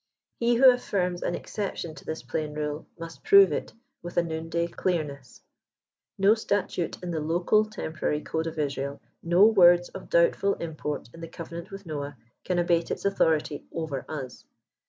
He who affirms an exception to this plain rule, must prove it with a noon day clearnoBs^ No statute in the local, temporary code of Israel, no words of doubt ful import in the covenant with Noah, can abate its authority over us.